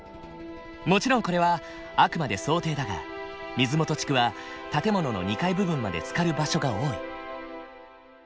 もちろんこれはあくまで想定だが水元地区は建物の２階部分までつかる場所が多い。